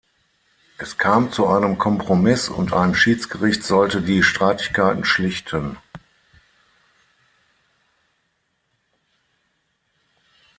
Es kam zu einem Kompromiss, und ein Schiedsgericht sollte die Streitigkeiten schlichten.